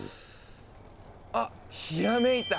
あっひらめいた。